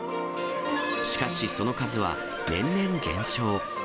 しかしその数は年々減少。